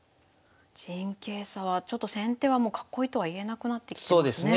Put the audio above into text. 陣形差はちょっと先手はもう囲いとはいえなくなってきてますね。